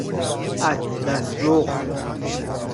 اطلسرخ